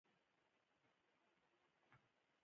نوې څانګې په کرنه کې رامنځته شوې.